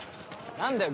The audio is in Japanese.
何だよ？